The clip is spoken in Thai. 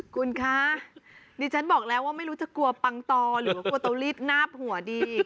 คุณคะดิฉันบอกแล้วว่าไม่รู้จะกลัวปังตอหรือว่ากลัวเตาลีดนาบหัวดี